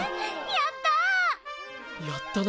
やったな！